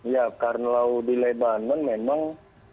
ya karena di lebanon memang